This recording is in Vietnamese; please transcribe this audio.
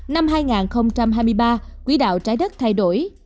năm hai nghìn hai mươi ba quỹ đạo trái đất thay đổi